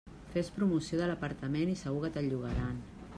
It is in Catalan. Fes promoció de l'apartament i segur que te'l llogaran.